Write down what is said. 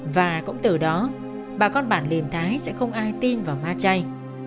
và cũng từ đó bà con bản liềm thái sẽ không ai tin vào ma chay